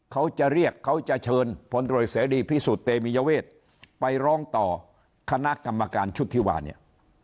เขาจะเรียกเขาจะเชิญพลตรวจเสรีพิสุทธิ์เตมียเวทไปร้องต่อคณะกรรมการชุดที่ว่าเนี่ย